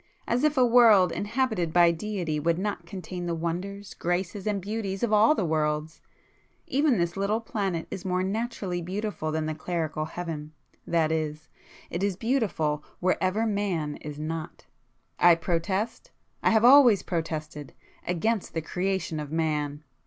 As if a World inhabited by Deity would not contain the wonders, graces and beauties of all worlds! Even this little planet is more naturally beautiful than the clerical Heaven,—that is, it is beautiful wherever Man is not. I protest—I have always protested,—against the creation of Man!"